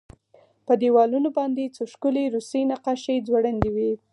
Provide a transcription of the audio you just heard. په دېوالونو باندې څو ښکلې روسي نقاشۍ ځوړندې وې